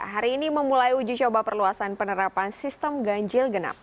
hari ini memulai uji coba perluasan penerapan sistem ganjil genap